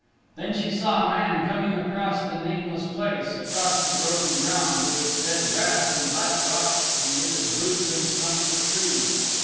Then she saw a man coming across the nameless place, across the broken ground, with its dead grass and black rocks and with its roots and stumps of trees.